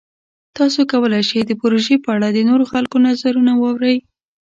تاسو کولی شئ د پروژې په اړه د نورو خلکو نظرونه واورئ.